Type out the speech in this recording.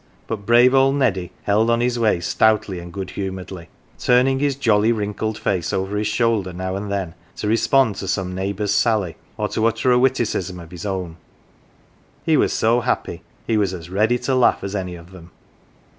But brave old Neddy held on his way stoutly and good humouredly, 31 GAFFER'S CHILD turning his jolly wrinkled face over his shoulder now and then to respond to some neighbours sally, or to utter a witticism of his own : he was so happy, he was as ready to laugh as any of them.